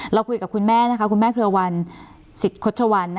เราคุยกับคุณแม่คุณแม่เครือวันสิทธิ์คดชวัล